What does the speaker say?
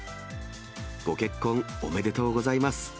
ご結婚、おめでとうございます。